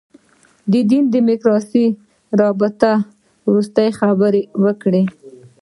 دین دیموکراسي رابطې وروستۍ خبره وکړي.